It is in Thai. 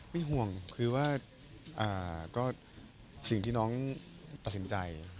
ไม่ห่วงคือว่าสิ่งที่น้องประสิทธิ์ใจ